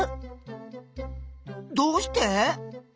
どうして？